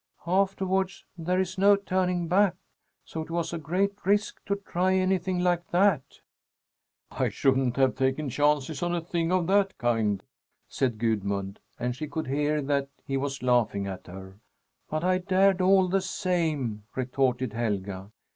Afterwards there is no turning back, so it was a great risk to try anything like that." "I shouldn't have taken chances on a thing of that kind," said Gudmund, and she could hear that he was laughing at her. "But I dared, all the same," retorted Helga.